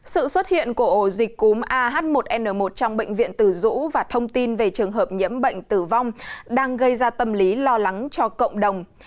sự xuất hiện của ổ dịch cúm ah một n một trong bệnh viện từ dũ và thông tin về trường hợp nhiễm bệnh tử vong đang gây ra tâm lý lo lắng cho cộng đồng